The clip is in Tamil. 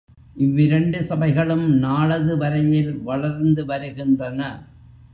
இவ்விரண்டு சபைகளும் நாளது வரையில் வளர்ந்து வருகின்றன.